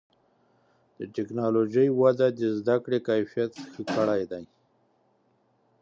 د ټکنالوجۍ وده د زدهکړې کیفیت ښه کړی دی.